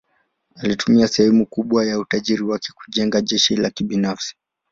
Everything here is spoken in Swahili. Alitumia sehemu kubwa ya utajiri wake kujenga jeshi la binafsi.